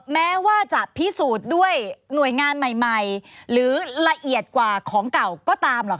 แม้ว่าจะพิสูจน์ด้วยหน่วยงานใหม่หรือละเอียดกว่าของเก่าก็ตามหรอก